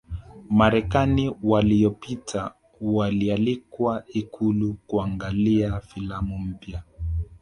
Marekani waliyopita walialikwa ikulu kuangalia filamu mpya